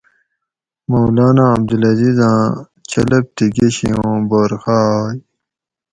مولانا عبدالعزیز آۤں چلپ تھی گشی ھُوں بورقہ آئ